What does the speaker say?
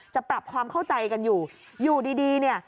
ปรับความเข้าใจกันอยู่อยู่ดีเนี่ย